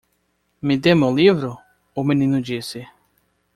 "Me dê meu livro?" o menino disse.